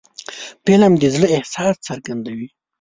فلم د زړه احساس څرګندوي